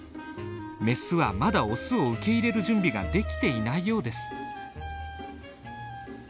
メスはまだオスを受け入れる準備ができていないようです。